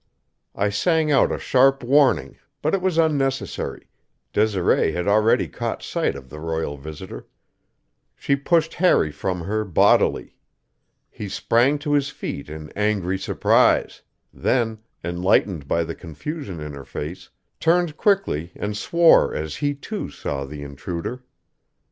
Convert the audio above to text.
I sang out a sharp warning, but it was unnecessary; Desiree had already caught sight of the royal visitor. She pushed Harry from her bodily. He sprang to his feet in angry surprise; then, enlightened by the confusion in her face, turned quickly and swore as he, too, saw the intruder.